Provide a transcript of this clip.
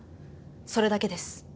それだけです。